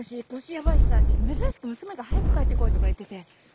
やばいしさ珍しく娘が早く帰ってこいとか言ってて。